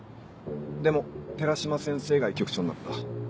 でも寺島先生が医局長になった。